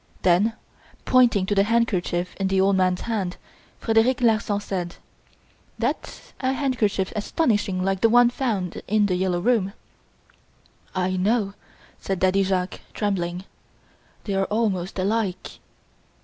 Then pointing to the handkerchief in the old man's hand, Frederic Larsan said: "That's a handkerchief astonishingly like the one found in "The Yellow Room." "I know," said Daddy Jacques, trembling, "they are almost alike."